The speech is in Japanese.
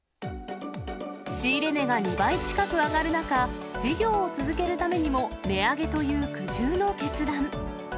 仕入れ値が２倍近く上がる中、事業を続けるためにも、値上げという苦渋の決断。